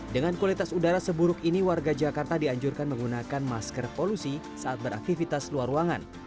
dengan kualitas udara seburuk ini warga jakarta dianjurkan menggunakan masker polusi saat beraktivitas luar ruangan